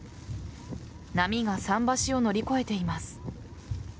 波が桟橋を乗り越えています。